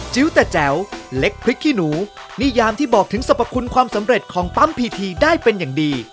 ิ้วแต่แจ๋วเล็กพริกขี้หนูนิยามที่บอกถึงสรรพคุณความสำเร็จของปั๊มพีทีได้เป็นอย่างดี